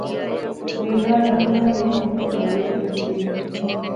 ویلا لنگنا گیا۔ تہاڑے بیتنے گئے